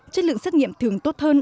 chất lượng xét nghiệm thường tốt hơn